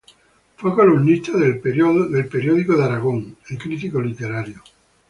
Fue columnista de "El Periódico de Aragón" y crítico literario.